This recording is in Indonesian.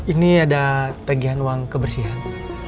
ini ada tagihan uang kebersihan